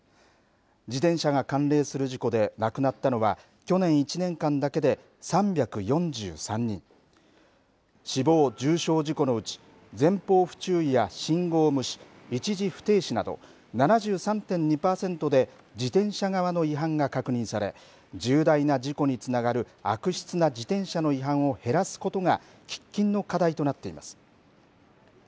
自転車が関連する事故で亡くなったのは去年１年間だけで３４３人死亡・重傷事故のうち前方不注意や信号無視一時不停止など７３．２パーセントで自転車側の違反が確認され重大な事故につながる悪質な自転車の違反を減らすことが喫緊の課題となっています。